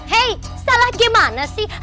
hei salah gimana sih